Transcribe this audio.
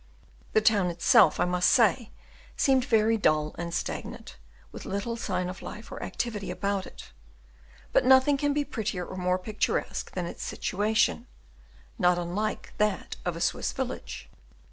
The town itself, I must say, seemed very dull and stagnant, with little sign of life or activity about it; but nothing can be prettier or more picturesque than its situation not unlike that of a Swiss village.